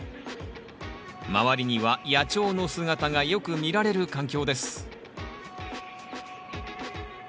周りには野鳥の姿がよく見られる環境です